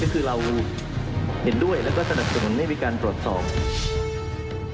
ซึ่งคือเราเห็นด้วยและสนับสนุนไม่มีการตรวจสอบ